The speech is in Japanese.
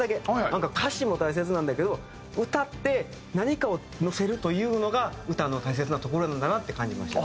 なんか歌詞も大切なんだけど歌って何かをのせるというのが歌の大切なところなんだなって感じました。